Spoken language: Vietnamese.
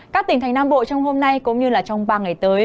các tỉnh thành nam bộ trong hôm nay cũng như trong ba ngày tới